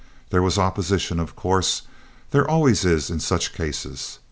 There was opposition, of course. There always is in such cases.